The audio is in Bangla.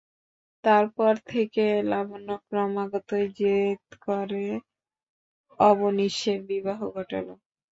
তার পর থেকে লাবণ্য ক্রমাগতই জেদ করে করে অবনীশের বিবাহ ঘটালো।